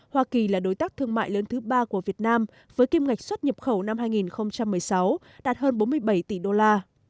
hoa kỳ là đối tác thương mại lớn thứ ba của việt nam với kim ngạch xuất nhập khẩu năm hai nghìn một mươi sáu đạt hơn bốn mươi bảy tỷ đô la